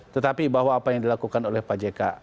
tetapi bahwa apa yang dilakukan oleh pak jk